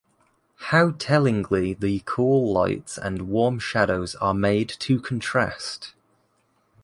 How tellingly the cool lights and warm shadows are made to contrast.